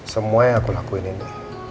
semua yang aku lakuin ini